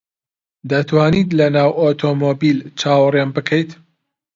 دەتوانیت لەناو ئۆتۆمۆبیل چاوەڕێم بکەیت؟